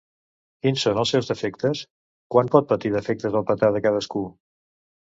Quins són els seus efectes? Quan pot patir defectes el petar de cadascú?